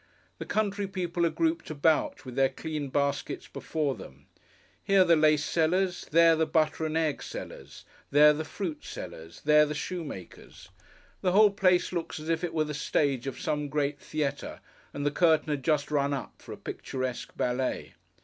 The country people are grouped about, with their clean baskets before them. Here, the lace sellers; there, the butter and egg sellers; there, the fruit sellers; there, the shoe makers. The whole place looks as if it were the stage of some great theatre, and the curtain had just run up, for a picturesque ballet.